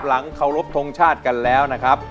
เคารพทงชาติกันแล้วนะครับ